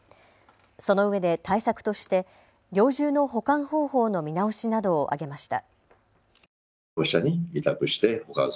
そのうえで対策として猟銃の保管方法の見直しなどを挙げました。